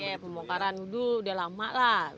iya pembongkaran dulu sudah lama lah